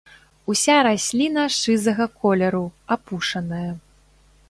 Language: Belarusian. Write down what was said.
Уся расліна шызага колеру, апушаная.